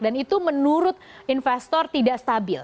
itu menurut investor tidak stabil